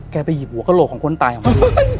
ไปหยิบหัวกระโหลกของคนตายออกมาดู